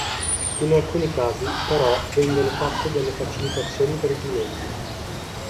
In alcuni casi, però, vengono fatte delle facilitazioni per i clienti.